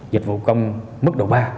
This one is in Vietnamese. dịch vụ công mức độ ba